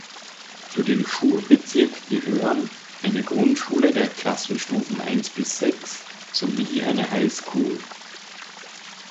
Zu dem Schulbezirk gehören eine Grundschule der Klassenstufen eins bis sechs sowie eine Highschool.